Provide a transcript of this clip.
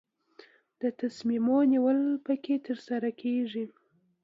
د تصامیمو نیول پکې ترسره کیږي.